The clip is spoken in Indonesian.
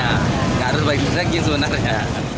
tidak harus beli daging sebenarnya